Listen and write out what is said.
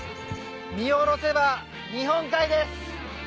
見下ろせば日本海です！